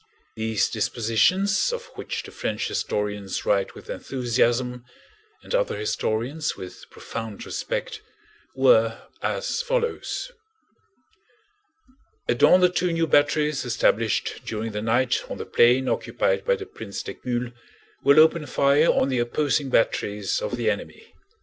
These dispositions, of which the French historians write with enthusiasm and other historians with profound respect, were as follows: At dawn the two new batteries established during the night on the plain occupied by the Prince d'Eckmühl will open fire on the opposing batteries of the enemy.